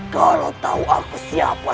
kalau tahu aku siapa